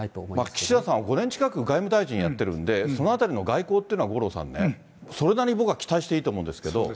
岸田さんは、５年近く外務大臣やってるんで、そのあたりの外交っていうのは五郎さんね、それなりに僕は期待してもいいと思うんですけど。